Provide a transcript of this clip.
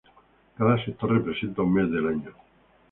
Cada sector representa un mes del año.